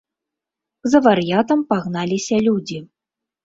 За вар'ятам пагналіся людзі.